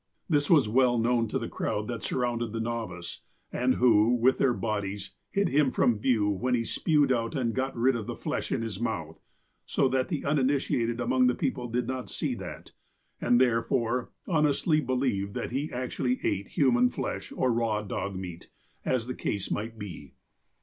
This was well known to the crowd that surrounded the novice, and who, with their bodies, hid him from view when he spewed out and got rid of the flesh in his mouth, so that the uninitiated among the people did not see that, and, therefore, honestly believed that he actually ate human flesh or raw dog meat, as the case might be.